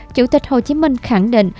chủ tịch hồ chí minh khẳng định